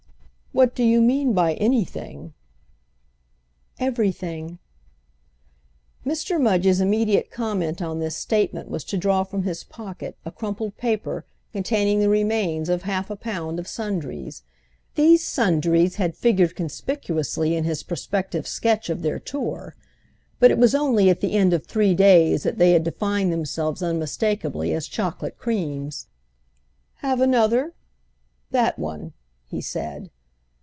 "What do you mean by 'anything'?" "Everything." Mr. Mudge's immediate comment on this statement was to draw from his pocket a crumpled paper containing the remains of half a pound of "sundries." These sundries had figured conspicuously in his prospective sketch of their tour, but it was only at the end of three days that they had defined themselves unmistakeably as chocolate creams. "Have another?—that one," he said.